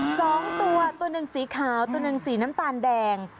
สองตัวตัวหนึ่งสีขาวตัวหนึ่งสีน้ำตาลแดง